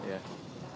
terima kasih pak